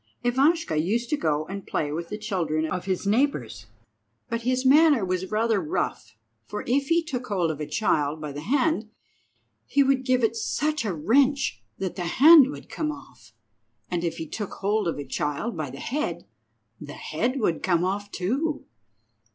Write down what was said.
Ivashka used to go and play with the children of his neighbours, but his manner was rather rough, for if he took hold of a child by the hand he would give it such a wrench that the hand would come off, and if he took hold of a child by the head, the head would come off too.